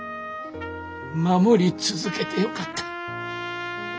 守り続けてよかった。